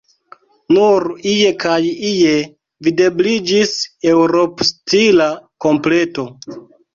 Nur ie kaj ie videbliĝis Eŭropstila kompleto.